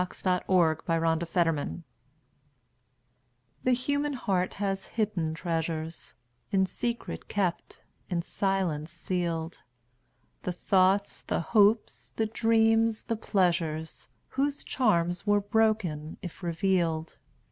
Charlotte Bronte Evening Solace THE human heart has hidden treasures, In secret kept, in silence sealed; The thoughts, the hopes, the dreams, the pleasures, Whose charms were broken if revealed.